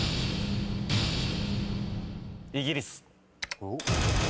イギリス。